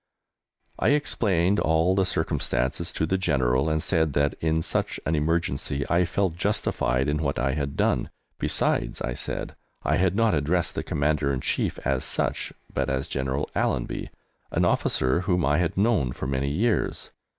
I explained all the circumstances to the General, and said that, in such an emergency, I felt justified in what I had done. Besides, I said, I had not addressed the Commander in Chief as such, but as General Allenby, an officer whom I had known for many years.